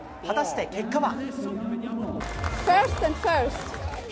果たして結果は？